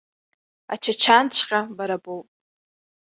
Ачачанҵәҟьа бара боуп.